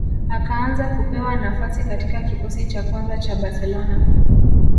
Akaanza kupewa nafasi katika kikosi cha kwanza cha Barcelona